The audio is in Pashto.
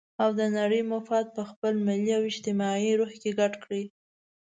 او د نړۍ مفاد په خپل ملي او اجتماعي روح کې ګډ کړي.